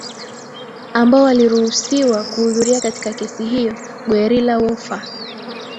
ambao waliruhusiwa kuhudhuria katika kesi hiyo Guerrilla war far